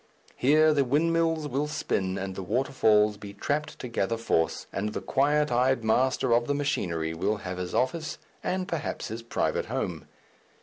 Here the windmills will spin and the waterfalls be trapped to gather force, and the quiet eyed master of the machinery will have his office and perhaps his private home.